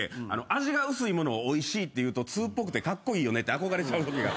味が薄いものをおいしいっていうと通っぽくてカッコイイよねって憧れちゃうときが。